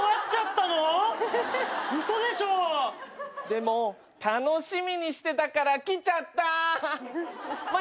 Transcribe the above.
でも楽しみにしてたから来ちゃった！